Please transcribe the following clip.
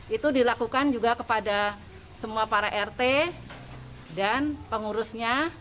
itu dilakukan juga kepada semua para rt dan pengurusnya